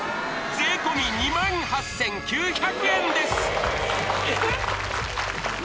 税込２８９００円ですえっ？